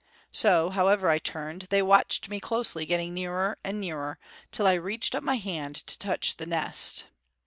So, however I turned, they watched me closely getting nearer and nearer, till I reached up my hand to touch the nest.